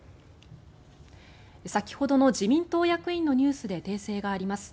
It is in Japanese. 先ほどの自民党役員のニュースで訂正があります。